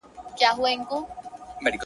تر پرون مي يوه کمه ده راوړې ـ